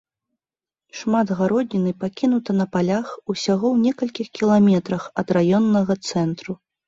Шмат гародніны пакінута на палях усяго ў некалькіх кіламетрах ад раённага цэнтру.